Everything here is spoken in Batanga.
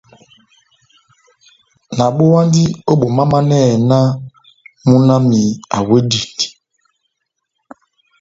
Nabowandi o bomamanɛhɛ nah muna wami awedindi.